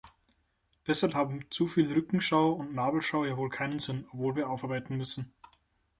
Deshalb haben zuviel Rückschau und Nabelschau ja wohl keinen Sinn, obwohl wir aufarbeiten müssen.